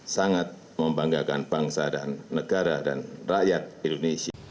sangat membanggakan bangsa dan negara dan rakyat indonesia